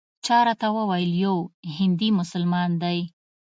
چا راته وویل یو هندي مسلمان دی.